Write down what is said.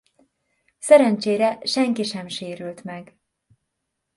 Szerencsére senki sem sérült meg.